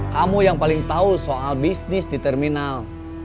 kamu yang paling tahu soal bisnis di terminal